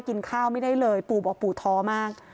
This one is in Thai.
กินข้าวไม่ได้เลยปู่บอกปู่ท้อมาก